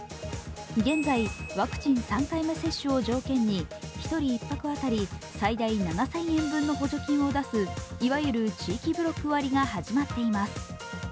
現在、ワクチン３回目接種を条件に１人１泊あたり最大７０００円分の補助金を出すいわゆる地域ブロック割が始まっています。